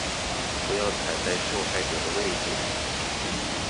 不要踩在受害者的位置